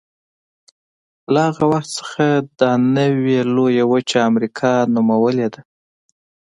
له هغه وخت څخه دا نوې لویه وچه امریکا نومولې ده.